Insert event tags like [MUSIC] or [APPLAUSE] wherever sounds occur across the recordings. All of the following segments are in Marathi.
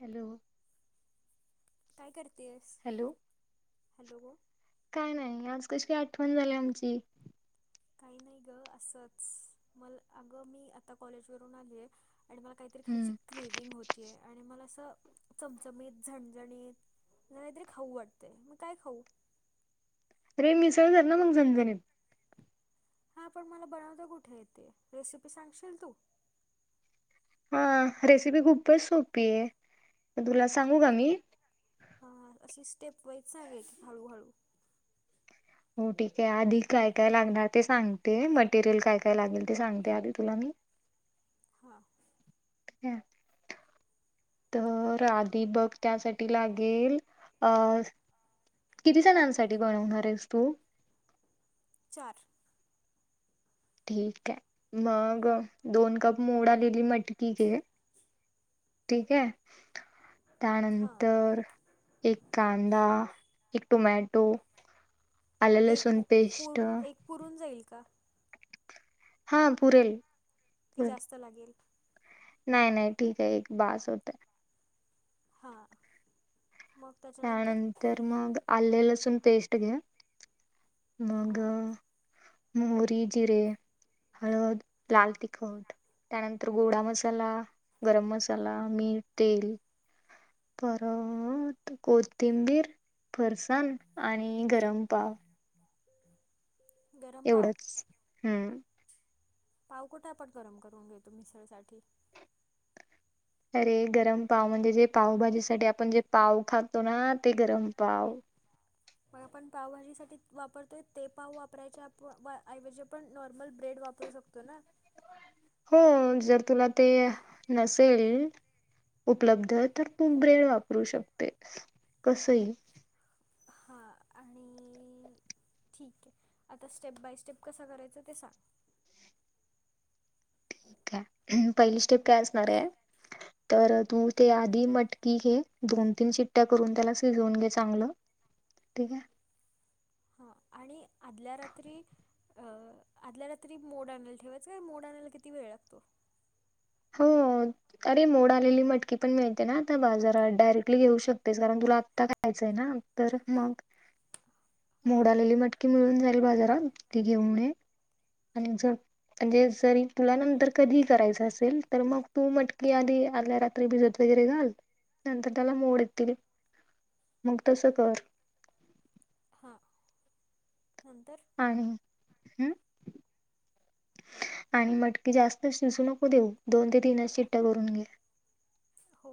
हॅलो काय करतेयस? हॅलो हॅलो काय नाही, आज कशी काय आठवण झाली आमची. काही नाही ग असच, मल अग मी आता कॉलेजवरून आलीय. आणि मला काहीतरी हम्म खायची क्रेव्हींग होतीय. आणि मला अस चमचमीत, झणझणीत, अस काहीतरी खाऊ वाटतय, मग काय खाऊ. रे, मिसळ कर ना मग झणझणीत. हा, पण मला बनवता कुठे येते. रेसिपी सांगशील तू? हा, रेसिपी खूपच सोपी आहे. तुला सांगू का मी. हा अशी स्टेप वाईस सांग. हळूहळू हो ठीक आहे. आधी काय काय लागणार ते सांगते. मटेरियल काय काय लागेल ते सांगते आधी तुला मी. हा [UNINTELLIGIBLE] तर, आधि बग त्यासाठी लागेल अ किती जणांसाठी बनवणार आहेस तू? चार ठीक आहे, मग दोन कप मोड आलेली मटकी घे. ठीक आहे. हां त्यानंतर एक कांदा, एक टोमॅटो, आल एक पु लसूण पेस्ट पुर एक पुरून जाईल का? हा पुरेल. की पुरेल जास्त लागेल. नाही नाही ठीक आहे. एक बास होत. हा त्यानंतर मग, आले लसूण पेस्ट घ्या. मग, हां मोहरी, जिरे, हळद, लाल तिख ट, त्यानंतर गोडा मसाला, गरम मसाला, मीठ, तेल परत कोथिंबीर, फरसण, आणि गरम पाव. [INAUDIBLE] गरम पाव एवढच, हम्म पाव कुठ आपण गरम करून घेतो मिसळसाठी. अरे गरम पाव म्हणजे, जे पावभाजीसाठी आपण जे पाव खातो ना, ते गरम पाव. मग, आपण पावभाजीसाठी वापरतोय ते पाव वापरायचे ऐवजी आपण नॉर्मल ब्रेड वाप करू शकतो, ना हो, जर तुला, ते नसेल उपलब्ध आहे, तर तू ब्रेड वापरू शकते, कसही हां, आणि ठीक आहे, आता स्टेप, बाय स्टेप, कसां करायचं ते सांग. ठीक आहे, पहिली स्टेप काय असणार आहे. तर तू ते आधी मटकी घे, दोन-तीन चिट्ट्या करून त्याला शिजवून घे चांगलं. ठीक आहे. हा आणि आधल्या रात्री अ, आदल्या रात्री मोड आणायला ठेवायचं मोड आणायला किती वेळ लागतो? हो. अरे, मोड आलेली मटकी पण मिळते ना आता बाजारात? डायरेक्टली घेऊ शकतेस, कारण तुला आत्ता करायचं हाय ना? तर, मग [UNINTELLIGIBLE] हां मोडालेली मटकी मिळून जाईल बाजारात, ती घेऊन ये आणि जर, म्हणजे जरी तुला नंतर कधीही करायचं असेल तर मग तू मटकी आधी आदल्या रात्री भिजत वगैरे घाल नंतर त्याला मोड येतील, मग तसं कर. हा नंतर, आणि हम्म, आणि मटकी जास्त शिजू नको देऊ, दोन ते तीनच शिट्ट्या करून घे. हो.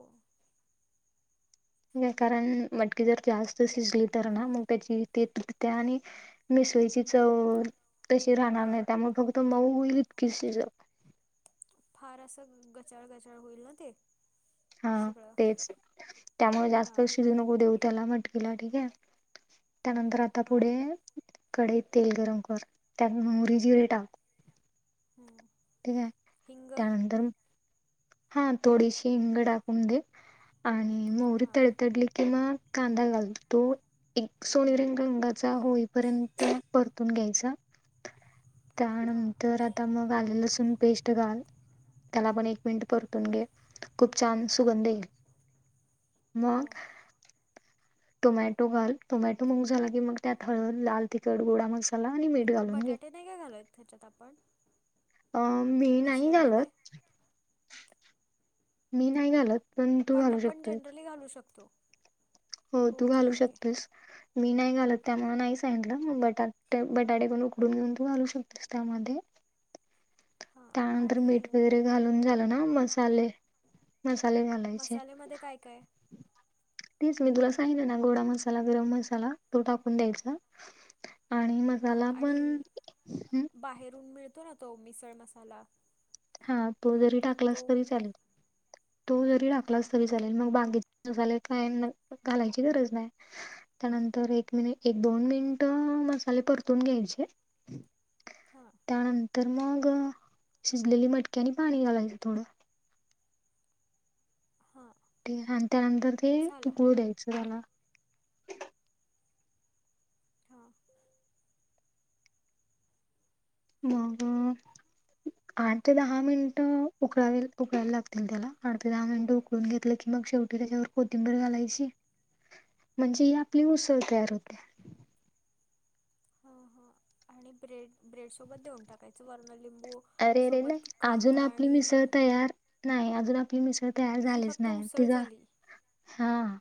कारण मटकी जर जास्त शिजली तर ना, मग त्याची ती तुटतया. या आणि मिसळीची चव तशी राहणार नाही, त्यामुळे फक्त मऊ होईल इतकीच शिजव. फार असं गचाळ गचाळ होईल ना ते. हा सगळं तेच त्यामुळे जास्त हां शिजू नको देवु त्याला मटकला ठीक हा, त्यानंतर आता हां पुढे कडई तेल गरम कर त्यात मुहरी, जिरे टाक हम्म. ठीक आहे, त्यानंतर हा, थोडीशी हिंग टाकून घे. आणि मोहरी हां तडतडली की मग कांदा घालतो. एक सोनेरी रंगाचा होईपर्यंत परतून घ्यायचा. हां त्यानंतर, आता मग आलं-लसूण पेस्ट घाल. त्यालाही एक मिनिट परतून घे, खूप छान सुगंध येईल मग. हो टोमॅटो घाल. टोमॅटो मग झाला की, मग त्यात हळद, लाल तिखट, गोडा मसाला आणि मीठ घालून घे. बटाटे नाही काय [UNINTELLIGIBLE] आपण अ मी नाही मिसळमध्ये घालत, मी नाही घालत, पण तू घालू शकतोस. मी घालू शकतो हो तू घालू ठीक आहे शकतेस. मी नाही घालत, त्यामुळे नाही सांगितलं. बटाटे पण उकडून घेऊन तू घालू शकतेस त्यामध्ये. हां त्यानंतर मीठ आणि वगैरे घालून झालं ना, मसाले मसाले घालायचे मसाल्यामध्ये काय काय तेच मी तुला सांगितलं ना, गोडा मसाला, गरम मसाला तो टाकून द्यायचा. आणि मग हां, आणि बाहेरून मिळतो ना तो मिसळ मसाला? हां, तो जरी तो टाकलास तरी चालेल, तो जरी हां टाकलास तरी चालेल, मग बाकिचे मसाले काय घालायची गरज नाही. त्यानंतर एक मिनि एक दोन मिनिटं मसाले परतून घ्यायचे हां त्यानंतर मग भिजलेली मटकी‌‌ आणि पाणी घालायचं थोड हां ते आणि त्यानंतर ते झाला उकळू द्यायचं त्याला, हां, मग [INAUDIBLE] आठ ते दहा मिनिटं उकळावे उकळायला लागतील त्याला, आठ ते दहा मिनट उकळून घेतलं की मग शेवटी त्याच्यावर कोथिंबर घालायची [INAUDIBLE] म्हणजे ही आपली उसळ तयार होत्या. हां हां आणि ब्रेड, ब्रेड सोबत देऊन टाकायचं वरन लिंबू अरे अरे नाही, सोबत अजून कांदा आपली आणि मिसळ तयार नाही, अजून आपली मिसळ तयार ही झालीच फक्त नाही, उसळ तिचा झाली हां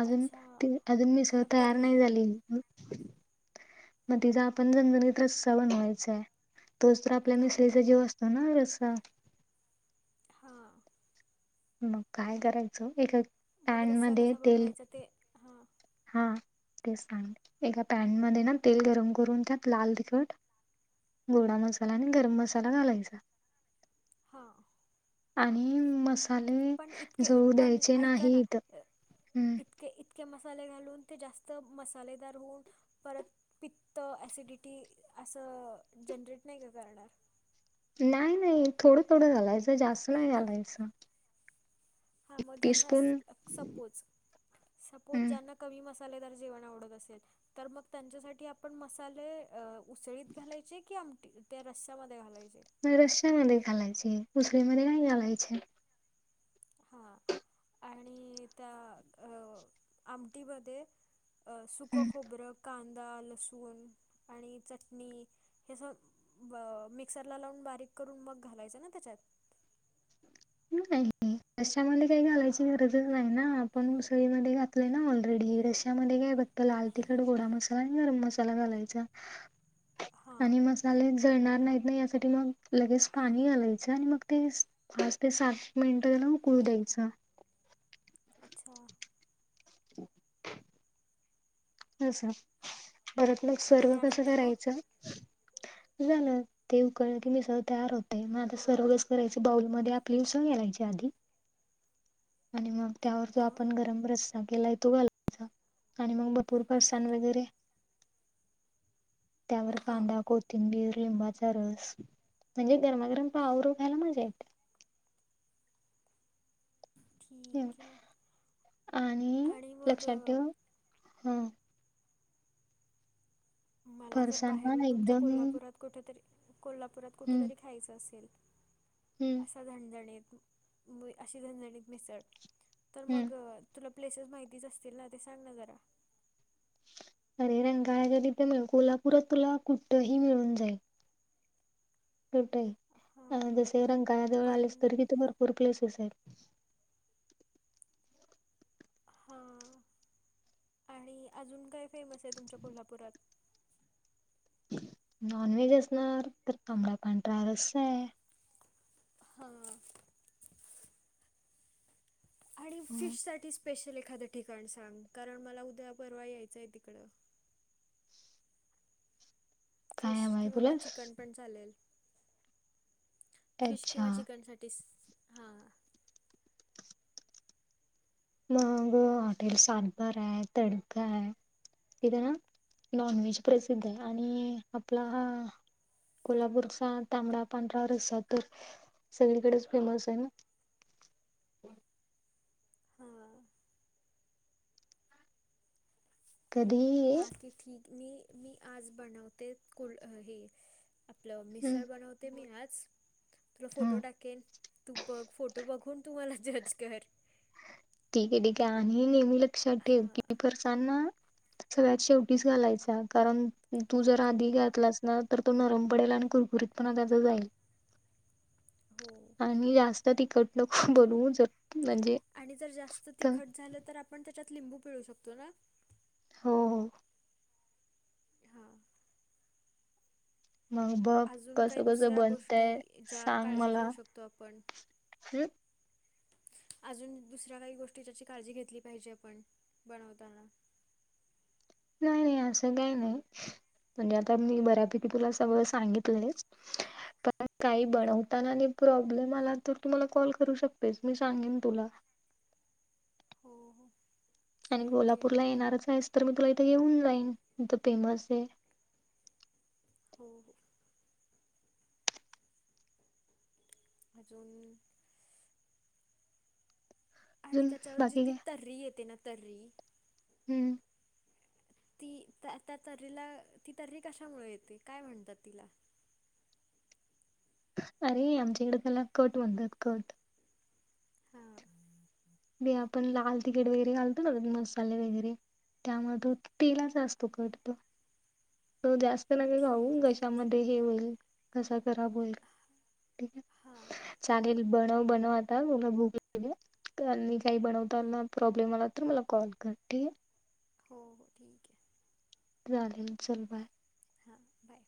अजून अच्छा ते अजून मिसळ त्याला तयार तर्री नाही झाली मग तिचा आपण झणझणीत रस्सा बनवायचा आहे, तोच तर आपल्या हां मिसळीचा जीव अस असतो ना रस्सा? हां मग काय करायचं एक एक मग रस्सा कसा बनवायचा ते हां हां तेच सांगते, एका पॅन मध्ये ना तेल गरम करून त्यात लाल तिखट गोडा मसाला आणि गरम मसाला घालायचा. हां आणि मसाले पण इतके जळू पण द्यायचे नाहीत हम्म ते इतके मसाले घालून ते जास्त मसालेदार होऊन परत पित्त, ॲसिडिटी असं जनरेट नाही का करणार? नाही नाही, थोडं थोडं घालायचं जास्त नाही घालायचं हां, मग ज्यांना टीस्पून सपोज, सपोज ज्यांना कमी मसालेदार जेवण आवडत असेल तर मग त्यांच्यासाठी आपण मसाले अ उसळीत घालायचे? कि आमटी त्या रस्यामध्ये घालायचे? नाही रस्स्यामध्ये घालायची, उसळीमध्ये नाही घालायचे. हां, आणि त्या अ आमटीमध्ये अ सुकं हम्म खोबरं, कांदा, लसूण आणि चटणी हे स मिक्सरला लावून, बारीक करून मग घालायचं ना त्याच्यात? [UNINTELLIGIBLE] रस्स्या मध्ये काही घालायची गरजच नाही ना, आपण उसळीमध्ये घातलंय ना ऑलरेडी रस्या मध्ये काय बघ तर लाल तिखट, गोडा मसाला आणि गरम मसाला घालायचा. [INAUDIBLE] हां आणि मस्त जळणार नाहीत ना यासाठी मग लगेच पाणी घालायचं आणि मग ते फास्ट ते सात मिनटं ना उकळू द्यायचं. अच्छा! [INAUDIBLE] असं, परत मग आणि सर्व कसं यानंतर करायचं [INAUDIBLE] झालं. ते उकळलं की मीसळं तयार होते. म आता सर्वस करायचे बाउलमधे आपली उसळ घालायची आधी. आणि मग त्यावर तो हां आपण गरम रस केलाय तो घालायचा, आणि मग भरपूर फसान वगैरे त्यावर हां कांदा, कोत तिंबीर, लिंबाचा रस म्हणजे गरमागरम पावाबरोबर खायला मजा येते. ठीक आहे [UNINTELLIGIBLE] आणि मग लक्षात अ, ठेव. हं, मला जर फरसाणा बाहेरून तुमच्या एकदम कोल्हापुरात कुठतरी, कोल्हापूरात हम्म कुठतरी खायच असेल हम्म झणझणीत मी अशी झणझणीत मिसळ, तर हम्म मग तुला प्लेसेस माहितीच असतील ना. ते सांग ना जरा. अरे रंकाळाच्या तीथ मिळ, कोल्हापूरात तुला कुठंही मिळून जाईल. कुठंही, हां अं हां जसं रंकाळ्याजवळ आलं पण तरी तिथं भरपूर प्लेसेस आहे. हा. आणि अजून काय फेमस आहे तुमच्या कोल्हापुरात? नॉनव्हेज असणार तर ताबडा पांढरा रसा आहे. हा. आणि अ, फिश साठी स्पेशल एखादं ठिकाण सांग. कारण मला उद्या-परवा यायचं आहे तिकडं. काय फिश हवं आहे किंवा तुला? मग चिकन पण चालेल. फिश अच्छा किंवा चिकन साठी स. हा. मग हॉटेल सातबारा आहे, तडका आहे. तिथे ना नॉनव्हेज प्रसिद्ध आहे आणि आपला हा कोल्हापूरचा तांबडा पांढरा रसा तर सगळीकडेच फेमस आहे ना. हा. कधीही बाकी ठीक. मी मी आज बनवते कुल हे आपलं मिसळ बनवत ते मी आज. तुला फोटो हा टाकेन, तू बघ फोटो बघून तुम्हाला जज कर. ठीके ठीके. आणि नेहमी लक्षात ठेव हां की फरसानना सगळ्यात शेवटीच घालायचा. कारण तू जर हो आधी हो. घातलास ना तर तो नरम पडेल आणि कुरकुरीतपना त्याचा जाईल. हो. आणि जास्त तिकट नक बनवू ज म्हणजे, आणि जर जास्त तिखट झालं तर आपण त्याच्यात लिंबू पिळू शकतो ना? हो हो. हा. मग बघ अजून काही कसं कसं दुसऱ्या गोष्टी, बनतय ज्या सांग काळजी मला घेऊ शकतो आपण. [INAUDIBLE] अजून दुसऱ्या काही गोष्टी ज्याची काळजी घेतली पाहिजे आपण बनवताना. नाही नाही असं काही नाही. म्हणजे आता मी बऱ्यापैकी तुला सगळं सांगितलंच. पण काही बनवताना आणि प्रॉब्लेम आला तर, तु मला कॉल करू शकतेस. मी सांगेन तुला. हो हो. आणि ठीक आहे कोल्हापूर ला येणारच आहेस तर मी तुला इथे येऊन लाईन इथं फेमस आहे हो हो. अजून आणि अजून त्याच्यावर जी बाकी ती काय तर्री येते ना तर्री हम्म. ती त्या त्या तर्रीला ती तर्री कशामुळे येते काय म्हणतात तिला? अरे आमच्याकडे त्याला कट म्हणतात कट. हा. वे आपण लाल तखीट वगैरे घालतो ना मसाले वगैरे त्यामध्ये होत तेलाचा असतो कट तो. तो जास्त नको खाऊ ठीक आहे घश्यामध्ये हे ठीक होईल घसा खराब होईल ठीक आहे. हां चालेल बणव बनव आता मुला भूक लागली हो. त्र्यांनी काही बनवताना प्रॉब्लेम आला तर मला कॉल कर ठीक आहे. हो हो ठीक आहे. झालीव चल बाय. हा बाय.